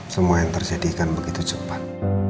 semua yang terjadikan begitu cepat